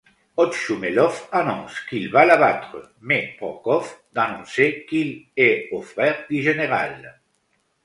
Otchoumélov annonce qu’il va l’abattre, mais Prokhov d'annoncer qu’il est au frère du général.